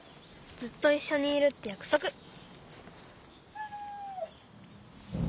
ずっといっしょにいるってやくそく。